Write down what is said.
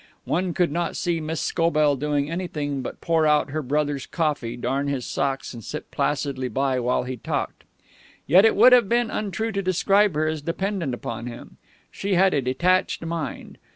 One could not see Miss Scobell doing anything but pour out her brother's coffee, darn his socks, and sit placidly by while he talked. Yet it would have been untrue to describe her as dependent upon him. She had a detached mind.